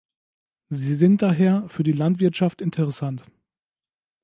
Sie sind daher für die Landwirtschaft interessant.